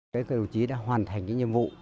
các đồng chí đã hoàn thành